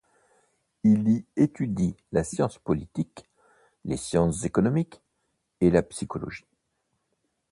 Il y étudie la science politique, les sciences économiques et la psychologie.